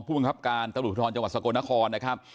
ผู้บังคับการตระหลุทธรรมจังหวัดสะโกนนครนะครับ